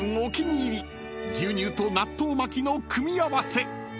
お気に入り牛乳と納豆巻きの組み合わせ］